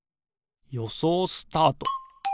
よそうスタート。